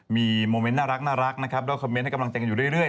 มีโมเมนต์น่ารักนะครับแล้วคอมเมนต์ให้กำลังใจกันอยู่เรื่อย